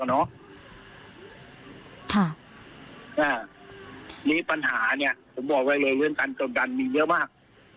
มีปัญหาเนี่ยผมบอกไว้เลยเรื่องการกดดันมีเยอะมาก